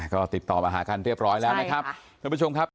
ก็ติดต่อมาหากันเรียบร้อยแล้วนะครับ